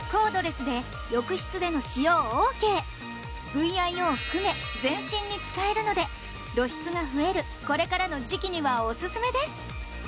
ＶＩＯ含め全身に使えるので露出が増えるこれからの時期にはオススメです